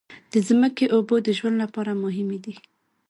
د ځمکې اوبو د ژوند لپاره مهمې دي.